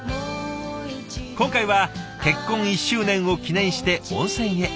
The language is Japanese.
今回は結婚１周年を記念して温泉へ。